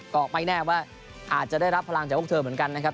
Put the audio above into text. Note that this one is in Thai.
ก็ไม่แน่ว่าอาจจะได้รับพลังจากพวกเธอเหมือนกันนะครับ